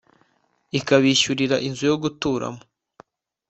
ikabishyurira inzu yo guturamo